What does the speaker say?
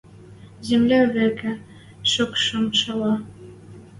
Земля вӹкӹ шокшым шӓвӓ